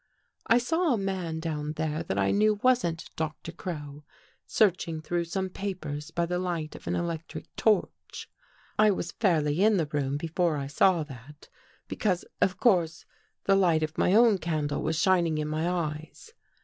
I saw a man down there that I knew wasn't Doctor Crow, searching through some papers by the light of an electric torch. " I was fairly in the room before I saw that, be cause, of course, the light of my own candle was shining in my eyes.